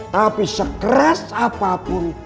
tapi sekeras apapun